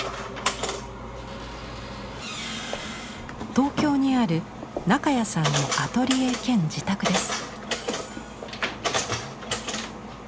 東京にある中谷さんのアトリエ兼自宅です。